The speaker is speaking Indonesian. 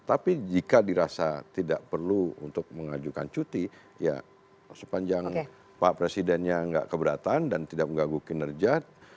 tapi jika dirasa tidak perlu untuk mengajukan cuti ya sepanjang pak presidennya nggak keberatan dan tidak mengganggu kinerja